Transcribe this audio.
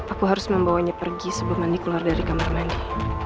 aku harus membawanya pergi sebelum mandi keluar dari kamar mandi